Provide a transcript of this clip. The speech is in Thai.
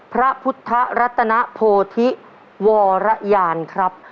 พระพุทธรัตนโพธิวรยานครับ